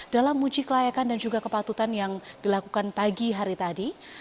dalam uji kelayakan dan juga kepatutan yang dilakukan pagi hari tadi